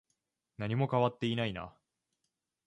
何も変わっていないな。